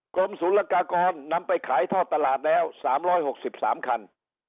กรมศุลกากรนำไปขายท่อตลาดแล้วสามร้อยหกสิบสามคัน